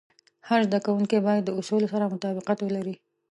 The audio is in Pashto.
هر زده کوونکی باید د اصولو سره مطابقت ولري.